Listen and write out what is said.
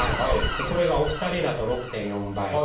これがお二人だと６．４倍。